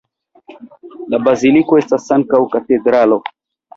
La baziliko estas ankaŭ katedralo.